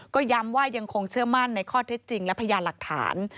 ก็ย้ำว่ายังคงเชื่อมั่นในข้อเท็จจริงและพยานหลักฐาน